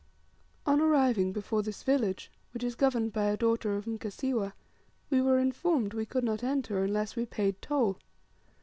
On arriving before this village, which is governed by a daughter of Mkasiwa, we were informed we could not enter unless we paid toll.